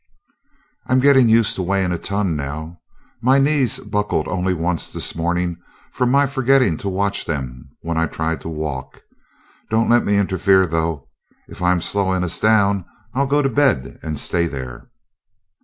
"I'm getting used to weighing a ton now. My knees buckled only once this morning from my forgetting to watch them when I tried to walk. Don't let me interfere, though! if I am slowing us down, I'll go to bed and stay there!"